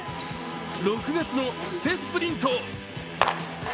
６月の布勢スプリント。